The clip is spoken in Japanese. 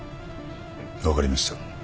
分かりました。